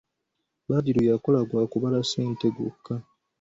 Badru yakola gwa kubala ssente gwokka.